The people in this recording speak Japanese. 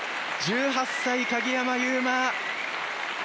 １８歳、鍵山優真。